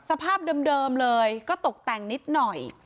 สภาพเดิมเลยก็ตกแต่งนิดหน่อย